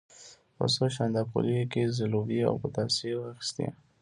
په څو شانداپولیو یې زلوبۍ او پتاسې واخیستې.